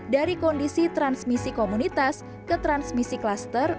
dari kondisi transmisi komunitas ke transmisi klaster